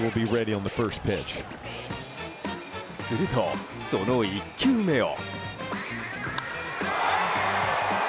すると、その１球目を。